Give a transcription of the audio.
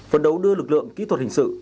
phấn đấu đưa lực lượng kỹ thuật hình sự